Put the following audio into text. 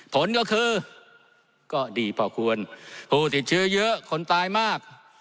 ผลก็คือก็ดีพอควรผู้ติดเชื้อเยอะคนตายมาก